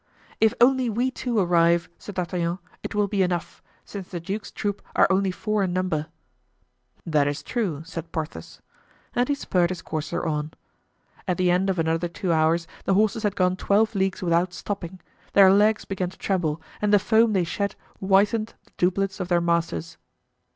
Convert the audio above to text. "If only we two arrive," said D'Artagnan, "it will be enough, since the duke's troop are only four in number." "That is true," said Porthos And he spurred his courser on. At the end of another two hours the horses had gone twelve leagues without stopping; their legs began to tremble, and the foam they shed whitened the doublets of their masters.